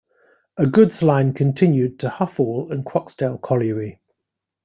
A goods line continued to Houghall and Croxdale Colliery.